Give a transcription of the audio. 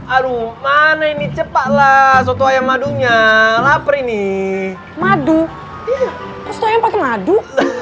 aduh mana ini cepatlah noto ayam madunya laper ini madu